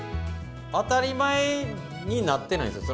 当たり前になってないんですよ。